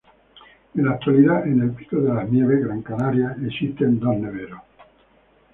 En la actualidad, en el Pico de las Nieves, Gran Canaria, existen dos neveros.